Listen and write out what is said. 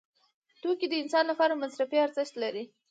توکي د انسان لپاره مصرفي ارزښت لري.